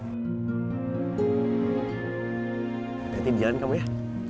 berarti di jalan kamu ya